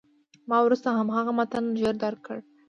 ما وروسته هماغه متن ژر درک کړ.